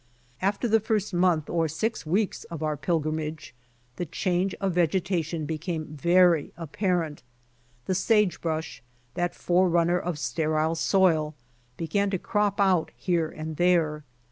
After the first mbnth or six wrecks of our pilgrimage the change of vegetation became very apparent. The sage brush, that forerunner of sterile soil, began to crop out here and there.